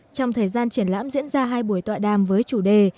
trong thời gian triển lãm diễn ra hai buổi tọa đàm với chủ đề